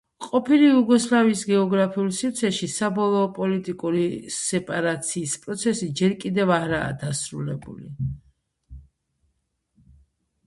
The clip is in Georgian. ყოფილი იუგოსლავიის გეოგრაფიულ სივრცეში საბოლოო პოლიტიკური სეპარაციის პროცესი ჯერ კიდევ არაა დასრულებული.